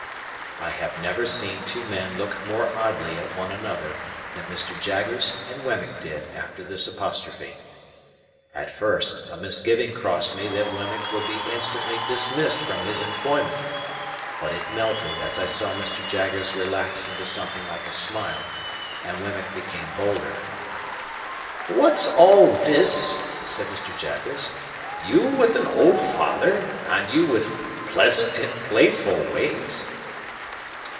I have never seen two men look more oddly at one another than Mr. Jaggers and Wemmick did after this apostrophe. At first, a misgiving crossed me that Wemmick would be instantly dismissed from his employment; but it melted as I saw Mr. Jaggers relax into something like a smile, and Wemmick become bolder. "What's all this?" said Mr. Jaggers. "You with an old father, and you with pleasant and playful ways?"